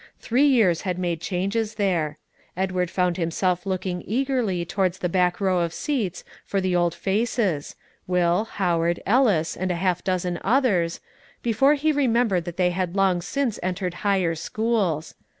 Three years had made changes there. Edward found himself looking eagerly towards the back row of seats fur the old faces, Will, Howard, Ellis, and half a dozen others, before he remembered that they had long since entered higher schools.